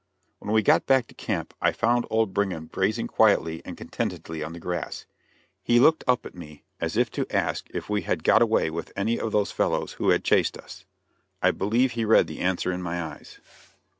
When we got back to camp I found old Brigham grazing quietly and contentedly on the grass. He looked up at me as if to ask if we had got away with any of those fellows who had chased us. I believe he read the answer in my eyes.